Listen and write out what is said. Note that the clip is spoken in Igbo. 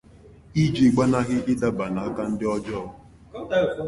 iji gbanahị ịdaba n'aka ndị ọjọọ